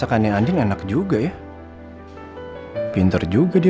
aku langsung pikir yang itu itu apa